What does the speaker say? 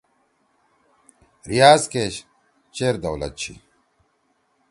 ریاض کیش چیر دولت چھی۔